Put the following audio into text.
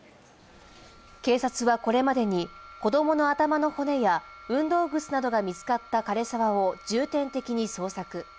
警察はこれまでに子供の頭の骨や運動靴などが見つかった枯れ沢を重点的に捜索。